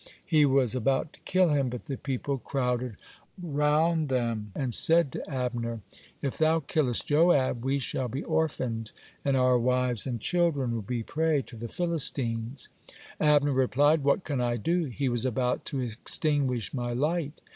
He was about to kill him, but the people crowded round them, and said to Abner: "If thou killest Joab, we shall be orphaned, and our wives and children will be prey to the Philistines." Abner replied: "What can I do? He was about to extinguish my light."